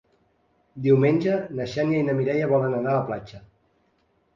Diumenge na Xènia i na Mireia volen anar a la platja.